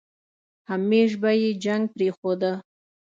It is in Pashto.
همېش به يې جنګ پرېښوده.